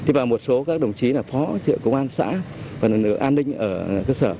thì vào một số các đồng chí là phó trưởng công an xã và an ninh ở cơ sở